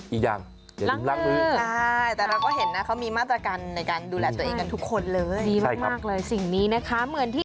อีกอย่างอย่าลืมล้างมือใช่แต่เราก็เห็นนะเขามีมาตรการในการดูแลตัวเองกันทุกคนเลยดีมากเลยสิ่งนี้นะคะ